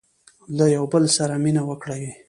• له یوه بل سره مینه وکړئ.